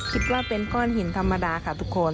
คิดว่าเป็นก้อนหินธรรมดาค่ะทุกคน